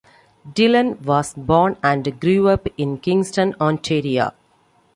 Dillon was born and grew up in Kingston, Ontario.